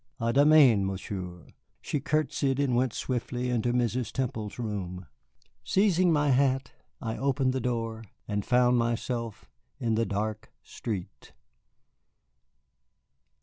À demain, Monsieur." She courtesied and went swiftly into Mrs. Temple's room. Seizing my hat, I opened the door and found myself in the dark street.